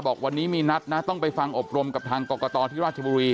บอกวันนี้มีนัดนะต้องไปฟังอบรมกับทางกรกตที่ราชบุรี